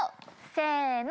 せの。